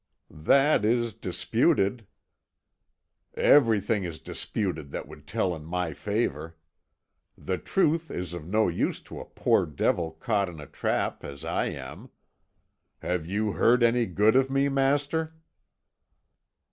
"That is disputed." "Everything is disputed that would tell in my favour. The truth is of no use to a poor devil caught in a trap as I am. Have you heard any good of me, master?"